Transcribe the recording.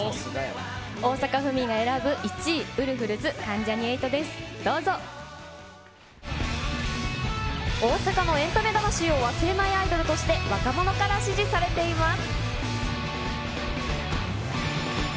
大阪府民が選ぶ１位、ウルフ大阪のエンタメ魂を忘れないアイドルとして、若者から支持されています。